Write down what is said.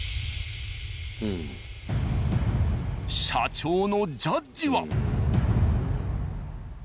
社長のジャッジは！？